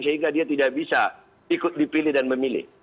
sehingga dia tidak bisa ikut dipilih dan memilih